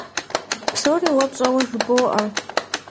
Псори уэ пщӀэуэ жыбоӀэ.